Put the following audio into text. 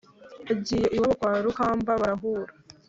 Agiye iwabo kwa Rukamba barahura